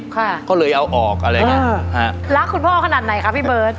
ค่ะก็เลยเอาออกอะไรอย่างเงี้ยฮะรักคุณพ่อขนาดไหนคะพี่เบิร์ต